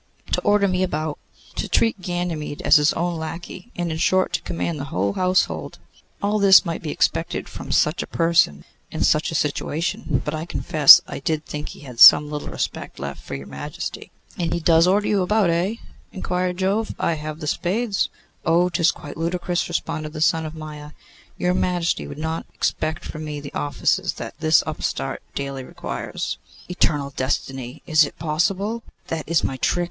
To order me about, to treat Ganymede as his own lacquey, and, in short, to command the whole household; all this might be expected from such a person in such a situation, but I confess I did think he had some little respect left for your Majesty.' 'And he does order you about, eh?' inquired Jove. 'I have the spades.' 'Oh! 'tis quite ludicrous,' responded the son of Maia. 'Your Majesty would not expect from me the offices that this upstart daily requires.' 'Eternal destiny! is't possible? That is my trick.